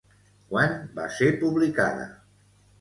Quan va ser publicada?